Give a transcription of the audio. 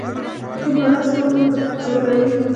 هندوانه سور زړه لري.